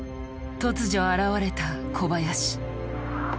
突如現れた小林。